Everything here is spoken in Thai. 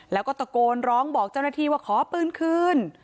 แล้วก็ตะโกนร้องบอกเจ้าหน้าที่ว่าขอปืนคืน